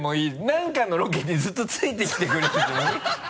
何かのロケにずっと付いてきてくれててもいい